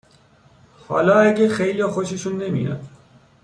حاال اگه خیلیا خوششون نمیاد